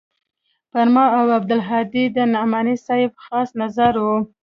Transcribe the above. پر ما او عبدالهادي د نعماني صاحب خاص نظر و.